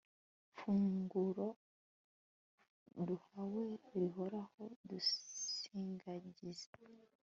funguro duhawe rihoraho, dusindagize